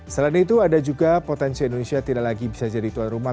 selain itu ada juga potensi indonesia tidak lagi bisa jadi tuan rumah